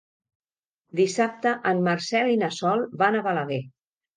Dissabte en Marcel i na Sol van a Balaguer.